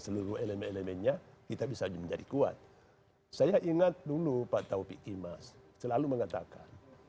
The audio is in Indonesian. seluruh elemen elemennya kita bisa menjadi kuat saya ingat dulu pak taufik kimas selalu mengatakan